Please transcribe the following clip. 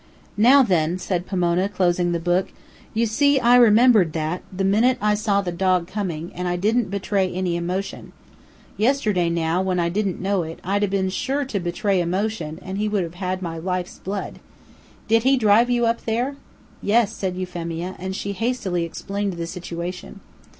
"Now, then," said Pomona, closing the book, "you see I remembered that, the minute I saw the dog coming, and I didn't betray any emotion. Yesterday, now, when I didn't know it, I'd 'a been sure to betray emotion, and he would have had my life's blood. Did he drive you up there?" "Yes," said Euphemia; and she hastily explained the situation.